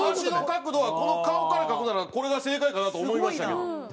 足の角度はこの顔から描くならこれが正解かなと思いましたけど。